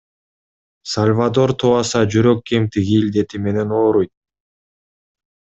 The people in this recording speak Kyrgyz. Сальвадор тубаса жүрөк кемтиги илдети менен ооруйт.